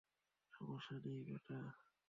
সমস্যা নেই, বেটা।